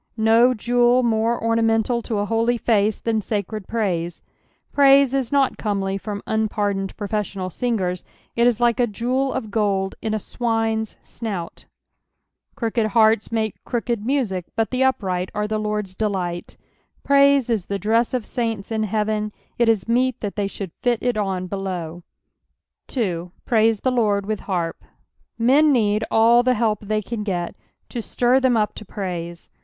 No jewel more ornamental to a holy face than sacred praise, praise is not comely from unpardoned profes Monal singers ; it is like a jeweT of gold in a swiue's snout. Crooked hearts make crooked music, but tlie upright are the Lord's delight. ^Praise is the dress of saints in heaven, it is meet that they should fit it on belowN 2. '• Praise the Lord with harp." Men need alt the help the^Tan get to Stir tbem up to praise.